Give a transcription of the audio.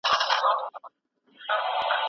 شرکتونه نوي ماډلونه جوړوي.